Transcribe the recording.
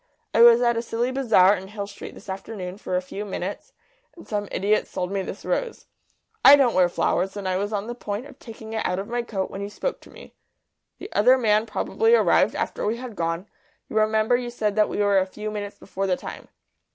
I was at a silly bazaar in Hill Street this afternoon for a few minutes, and some idiot sold me this rose. I don't wear flowers, and I was on the point of taking it out of my coat when you spoke to me. The other man probably arrived after we had gone; you remember you said that we were a few minutes before the time."